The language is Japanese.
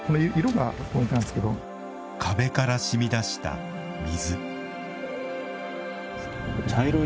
壁からしみ出した水。